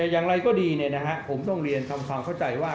อย่างไรก็ดีผมต้องเรียนทำความเข้าใจว่า